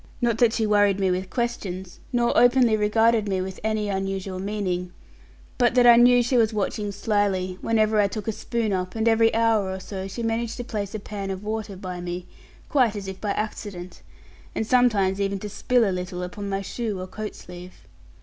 Not that she worried me with questions, nor openly regarded me with any unusual meaning, but that I knew she was watching slyly whenever I took a spoon up; and every hour or so she managed to place a pan of water by me, quite as if by accident, and sometimes even to spill a little upon my shoe or coat sleeve.